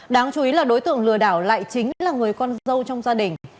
đáng chú ý là đối tượng lừa đảo lại chính là người con dâu trong gia đình